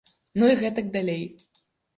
Ну і гэтак далей.